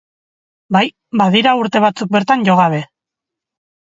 Bai, badira urte batzuk bertan jo gabe.